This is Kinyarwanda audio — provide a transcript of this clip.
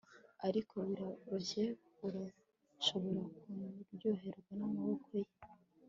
ariko biraryoshye. urashobora kuryoherwa n'amaboko ye